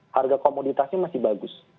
harga komoditasnya masih bagus